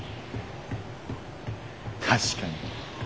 確かに。